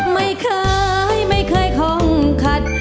ไม่เคยไม่เคยค่องขัด